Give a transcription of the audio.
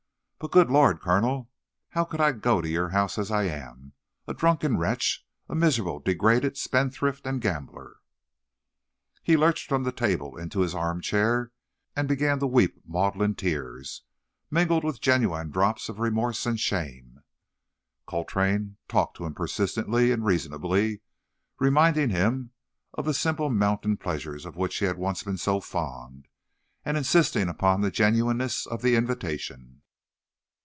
But, good Lord, Colonel, how could I go to your home as I am—a drunken wretch, a miserable, degraded spendthrift and gambler—" He lurched from the table into his armchair, and began to weep maudlin tears, mingled with genuine drops of remorse and shame. Coltrane talked to him persistently and reasonably, reminding him of the simple mountain pleasures of which he had once been so fond, and insisting upon the genuineness of the invitation.